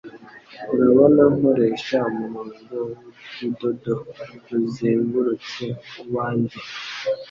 Urabona nkoresha umurongo wurudodo ruzengurutse uwanjye